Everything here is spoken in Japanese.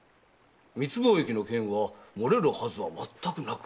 密貿易の件はもれるはずはまったくなく。